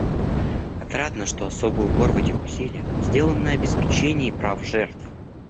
Отрадно, что особый упор в этих усилиях сделан на обеспечении прав жертв.